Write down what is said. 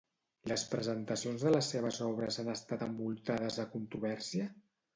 Les presentacions de les seves obres han estat envoltades de controvèrsia?